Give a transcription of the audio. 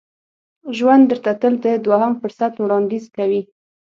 ژوند درته تل د دوهم فرصت وړاندیز کوي.